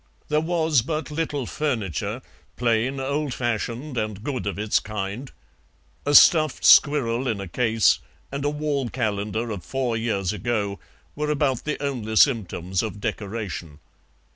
There was but little furniture, plain, old fashioned, and good of its kind; a stuffed squirrel in a case and a wall calendar of four years ago were about the only symptoms of decoration.